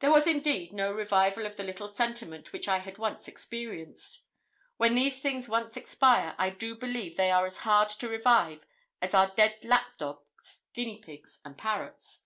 There was, indeed, no revival of the little sentiment which I had once experienced. When these things once expire, I do believe they are as hard to revive as our dead lap dogs, guinea pigs, and parrots.